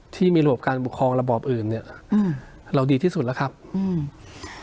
ที่มีระบบการปกครองระบอบอื่นเนี้ยอืมเราดีที่สุดแล้วครับอืม